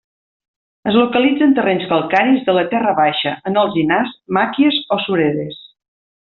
Es localitza en terrenys calcaris de la terra baixa, en alzinars, màquies o suredes.